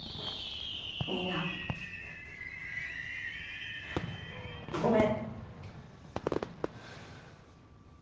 みんなごめん